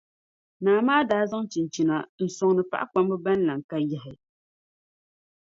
Naa maa daa zaŋ chinchina n-soŋsi paɣakpamba ban lahi ka yahi.